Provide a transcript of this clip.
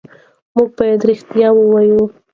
موږ باید رښتیا ووایو.